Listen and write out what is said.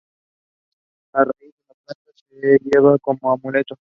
La raíz de esta planta se llevaba como amuleto.